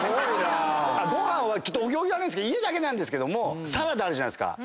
ご飯はお行儀悪いんで家だけなんですけどもサラダあるじゃないですか。